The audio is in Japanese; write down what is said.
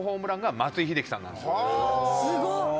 すごっ！